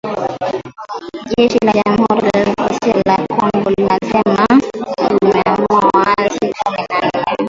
Jeshi la Jamuhuri ya Demokrasia ya Kongo linasema limeua waasi kumi na moja